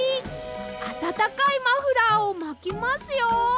あたたかいマフラーをまきますよ。